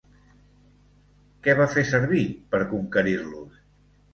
Què va fer servir per conquerir-los?